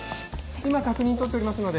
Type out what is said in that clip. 今確認取っておりますので。